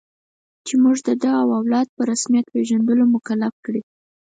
چې موږ د ده او اولاد په رسمیت پېژندلو مکلف کړي.